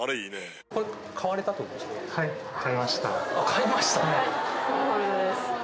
買いました？